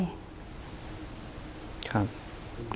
ครับ